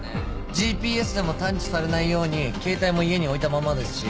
ＧＰＳでも探知されないように携帯も家に置いたままですし。